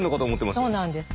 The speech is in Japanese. そうなんです。